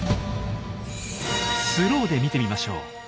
スローで見てみましょう。